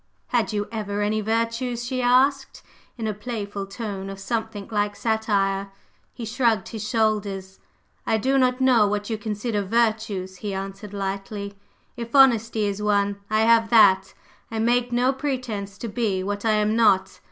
"Had you ever any virtues?" she asked in a playful tone of something like satire. He shrugged his shoulders. "I do not know what you consider virtues," he answered lightly: "If honesty is one, I have that. I make no pretence to be what I am not.